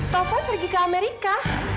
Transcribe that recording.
taufan pergi ke amerika